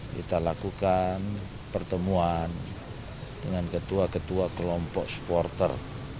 kita lakukan pertemuan dengan ketua ketua kelompok supporter